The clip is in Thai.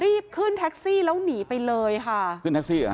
รีบขึ้นแท็กซี่แล้วหนีไปเลยค่ะขึ้นแท็กซี่เหรอ